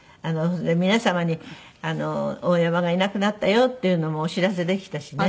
皆様に大山がいなくなったよっていうのもお知らせできたしね。